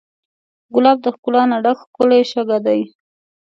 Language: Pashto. ګلاب د ښکلا نه ډک ښکلی شګه دی.